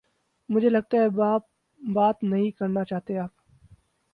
مجھے لگتا ہے بات نہیں کرنا چاہتے آپ